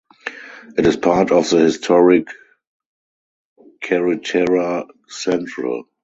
It is part of the historic Carretera Central.